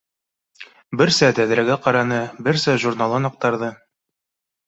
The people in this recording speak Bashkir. Берсә тәҙрәгә ҡараны, берсә журналын аҡтарҙы.